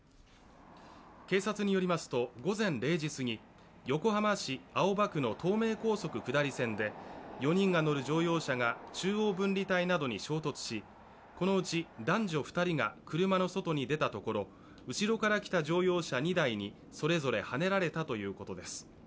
警察によりますと午前０時すぎ横浜市青葉区の東名高速下り線で４人が乗る乗用車が中央分離帯などに衝突しこのうち男女２人が車の外に出たところ、後ろから来た乗用車２台にそれぞれはねられたということです。